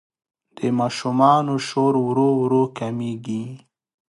د ماشومانو شور ورو ورو کمېږي.